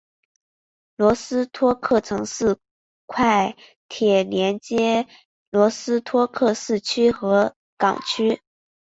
罗斯托克城市快铁连接罗斯托克市区和港区。